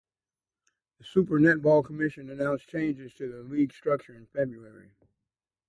The Super Netball commission announced changes to the league structure in February.